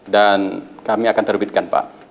dan kami akan terbedikan pak